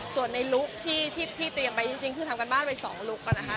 ส่วนในลุคที่เตรียมไปจริงคือทำการบ้านไป๒ลุคนะคะ